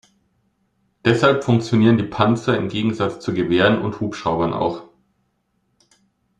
Deshalb funktionieren die Panzer im Gegensatz zu Gewehren und Hubschraubern auch.